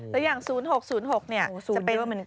แล้วอย่างศูนย์๖๐๖เนี่ย